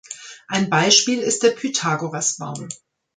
Ein Beispiel ist der Pythagoras-Baum.